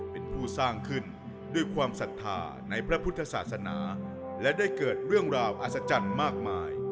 เป็นผู้สร้างขึ้นด้วยความศรัทธาในพระพุทธศาสนาและได้เกิดเรื่องราวอัศจรรย์มากมาย